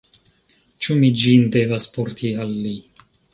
Ĉu mi ĝin devas porti al li?